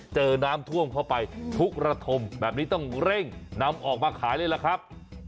เจอน้ำท่วมเข้าไปทุกระทมแบบนี้ต้องเร่งนำออกมาขายเลยล่ะครับ